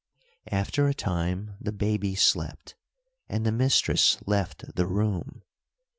After a time the baby slept, and the mistress left the room.